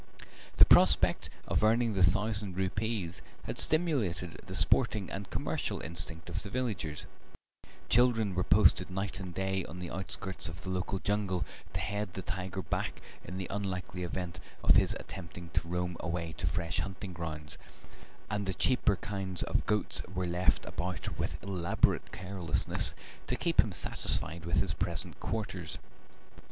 The prospect of earning the thousand rupees had stimulated the sporting and commercial instinct of the villagers; children were posted night and day on the outskirts of the local jungle to head the tiger back in the unlikely event of his attempting to roam away to fresh hunting grounds, and the cheaper kinds of goats were left about with elaborate carelessness to keep him satisfied with his present quarters.